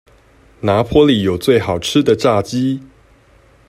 拿坡里有最好吃的炸雞